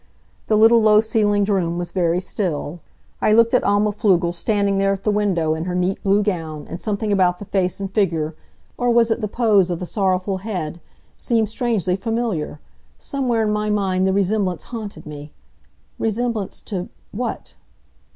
The little, low ceilinged room was very still. I looked at Alma Pflugel standing there at the window in her neat blue gown, and something about the face and figure or was it the pose of the sorrowful head? seemed strangely familiar. Somewhere in my mind the resemblance haunted me. Resemblance to what?